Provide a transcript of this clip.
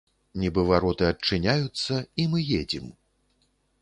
Нібы вароты адчыняюцца і мы ездзім!